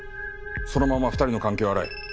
そのまま２人の関係を洗え。